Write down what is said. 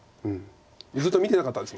ずっと見てなかったです。